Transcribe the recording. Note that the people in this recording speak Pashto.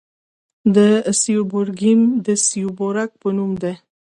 د سیبورګیم د سیبورګ په نوم دی.